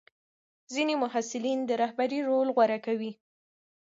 ځینې محصلین د رهبرۍ رول غوره کوي.